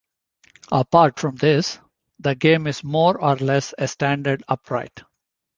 Apart from this, the game is more or a less a standard upright.